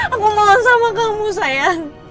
aku mohon sama kamu sayang